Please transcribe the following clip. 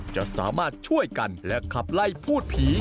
จะสามารถช่วยกันและขับไล่พูดผี